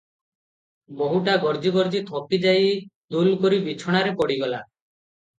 ବୋହୂଟା ଗର୍ଜି ଗର୍ଜି ଥକି ଯାଇ ଦୁଲକରି ବିଛଣାରେ ପଡିଗଲା ।